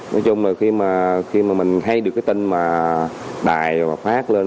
nói chung là khi mà mình hay được cái tin mà đài và phát lên